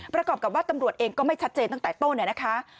ประกอบกับว่าตำรวจเองก็ไม่ชัดเจนตั้งแต่ต้นนะคะ